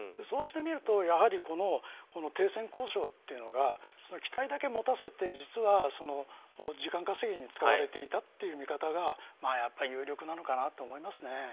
そうしてみるとやはり停戦交渉というのが期待だけ持たせて実は時間稼ぎに使われていたという見方が有力なのかなと思いますね。